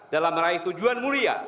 dalam meraih tujuan mulia